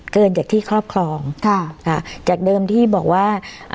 เกินจากที่ครอบครองจากเดิมที่บอกว่า